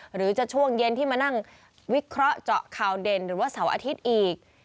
หรือจะช่วงเย็นที่มานั่งวิเคราะห์เจาะข่าวเด่นหรือว่าเสาร์อาทิตย์อีก